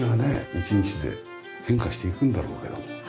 １日で変化していくんだろうけども。